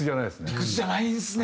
理屈じゃないんですね